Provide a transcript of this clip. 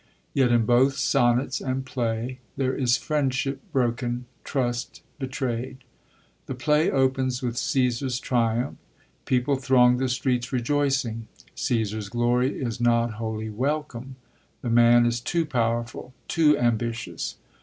Tot in both Sonnets and play there is friendship broken, trust betrayd. The play opens with Gsdsar's triumph. People throng the streets, rejoicing. Caesar's glory is not wholly welcome. The man is too powerful, too ambitious.